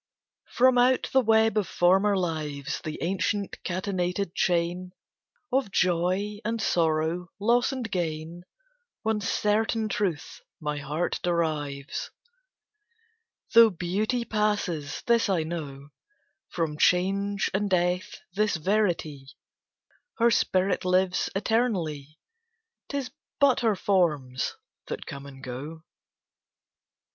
IV From out the web of former lives, The ancient catenated chain Of joy and sorrow, loss and gain, One certain truth my heart derives: Though Beauty passes, this I know, From Change and Death, this verity: Her spirit lives eternally 'Tis but her forms that come and go.